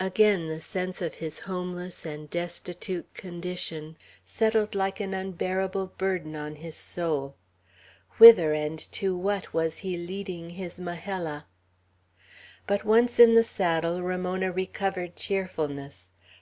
Again the sense of his homeless and destitute condition settled like an unbearable burden on his soul. Whither and to what was he leading his Majella? But once in the saddle, Ramona recovered cheerfulness.